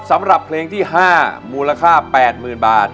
สำหรับเพลงที่๕มูลค่า๘๐๐๐บาท